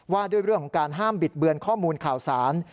ว่าด้วยเรื่องของการห้ามบิดเบือนข้อมูลข่าวสาร